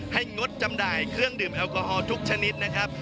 งดจำหน่ายเครื่องดื่มแอลกอฮอลทุกชนิดนะครับ